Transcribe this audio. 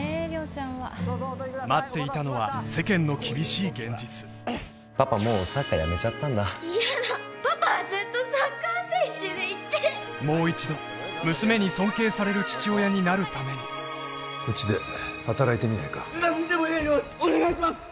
亮ちゃんは待っていたのはパパもうサッカーやめちゃったんだ嫌だパパはずっとサッカー選手でいてもう一度娘に尊敬される父親になるためにうちで働いてみないか何でもやりますお願いします！